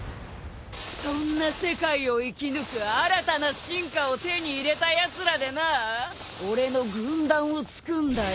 そんな世界を生き抜く新たな進化を手に入れたやつらでなあ俺の軍団をつくんだよ。